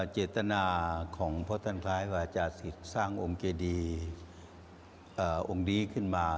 เจตนาของพระท่านคล้ายวาจาศิษย์สร้างองค์เจดีองค์นี้ขึ้นมา